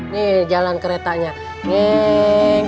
nih jalan keretanya ngeeeeng